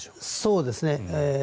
そうですね。